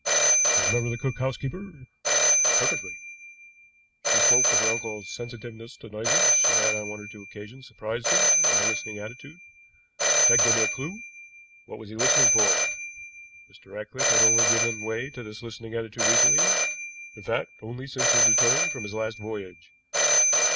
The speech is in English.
You remember the cook housekeeper?" "Perfectly." "She spoke of her uncle's sensitiveness to noises; she had on one or two occasions surprised him in a listening attitude. That gave me a clew. What was he listening for? Mr. Ratcliffe had only given way to this listening attitude recently; in fact, only since his return from his last voyage.